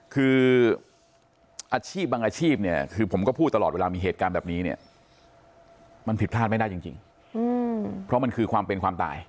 คืออาชีพบางอาชีพเนี่ยคือผมก็พูดตลอดเวลามีเหตุการณ์แบบนี้เนี่ยมันผิดพลาดไม่ได้จริงเพราะมันคือความเป็นความตาย